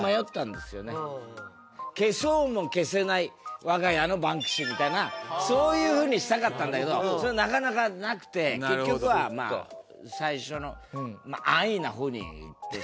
「消そうも消せない我が家のバンクシー」みたいなそういう風にしたかったんだけどそれはなかなかなくて結局はまあ最初の。